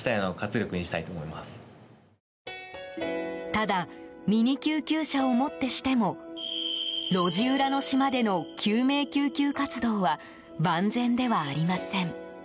ただミニ救急車をもってしても路地裏の島での救命救急活動は万全ではありません。